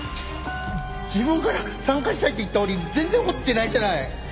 自分から参加したいって言った割に全然掘ってないじゃない！